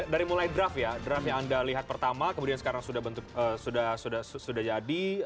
dari mulai draft ya draft yang anda lihat pertama kemudian sekarang sudah jadi